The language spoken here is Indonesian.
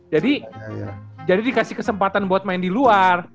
jadi dikasih kesempatan buat main di luar